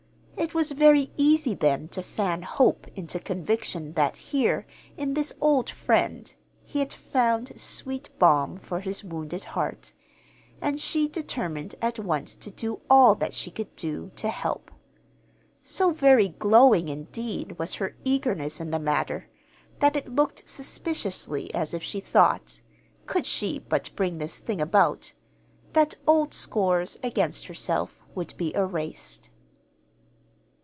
It was very easy then to fan hope into conviction that here, in this old friend, he had found sweet balm for his wounded heart; and she determined at once to do all that she could do to help. So very glowing, indeed, was her eagerness in the matter, that it looked suspiciously as if she thought, could she but bring this thing about, that old scores against herself would be erased.